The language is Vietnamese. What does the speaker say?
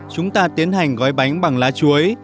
chúng ta tiến hành gói bánh bằng lá chuối